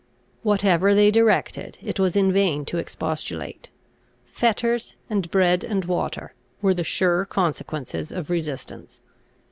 Whatever they directed, it was in vain to expostulate; fetters, and bread and water, were the sure consequences of resistance.